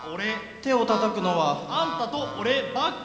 てをたたくのは。あんたとおればっか。